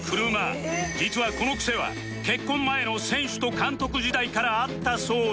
実はこのクセは結婚前の選手と監督時代からあったそうで